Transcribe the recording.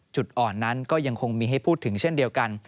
จุดอ่อนนั้นก็ยังคงมีให้พูดถึงเช่นเดียวกัน